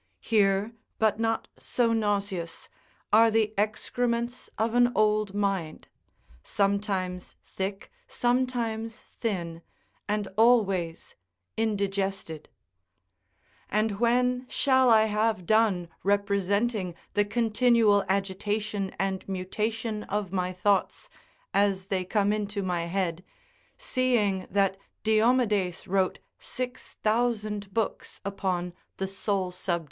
Here, but not so nauseous, are the excrements of an old mind, sometimes thick, sometimes thin, and always indigested. And when shall I have done representing the continual agitation and mutation of my thoughts, as they come into my head, seeing that Diomedes wrote six thousand books upon the sole subject of grammar?